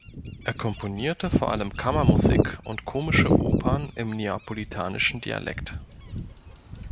Er komponierte vor allem Kammermusik und komische Opern im neapolitanischen Dialekt.